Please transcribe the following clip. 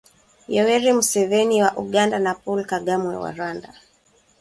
Yoweri Museveni wa Uganda na Paul Kagame wa Rwanda